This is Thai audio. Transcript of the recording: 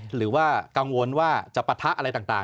หรือว่ากังวลว่าจะปะทะอะไรต่าง